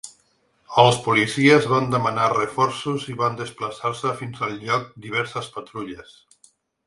Els policies van demanar reforços i van desplaçar-se fins el lloc diverses patrulles.